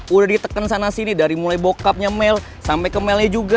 udah diteken sana sini dari mulai bokapnya mel sampe kemelnya juga